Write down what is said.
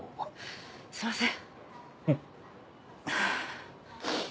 すいません。